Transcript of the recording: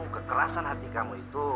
kekerasan hati kamu itu